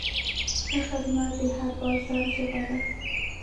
ښه خدمت د هر بازار ژبه ده.